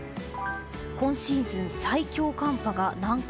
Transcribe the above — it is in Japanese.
今シーズン最強寒波が南下。